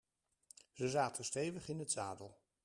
Ze zaten stevig in het zadel.